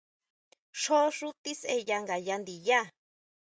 Xjó xú tisʼeya ngayá ndiyá.